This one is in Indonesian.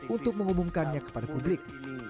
untuk mengumumkannya kepada publik